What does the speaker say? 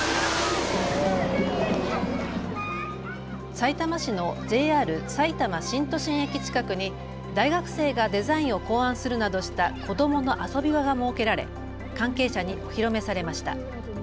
さいたま市のＪＲさいたま新都心駅近くに大学生がデザインを考案するなどした子どもの遊び場が設けられ関係者にお披露目されました。